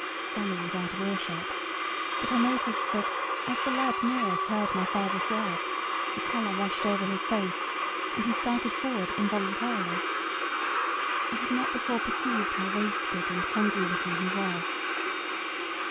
Sally was out of earshot; but I noticed that as the lad near us heard my father's words, the colour rushed over his face, and he started forward involuntarily. I had not before perceived how wasted and hungry looking he was.